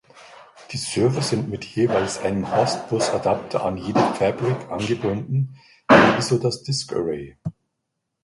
Die Server sind mit jeweils einem Host-Bus-Adapter an jede Fabric angebunden, ebenso das Disk-Array.